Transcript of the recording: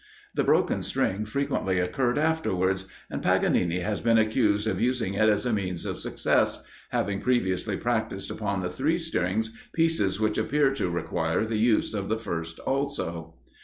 The broken string frequently occurred afterwards; and Paganini has been accused of using it as a means of success, having previously practised upon the three strings, pieces which appear to require the use of the first also.